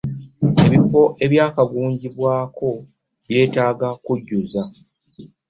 Ebifo ebyakagunjibwako byetaaga kujjuza.